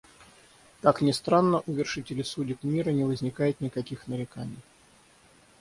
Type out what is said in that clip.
Как ни странно, у вершителей судеб мира не возникает никаких нареканий.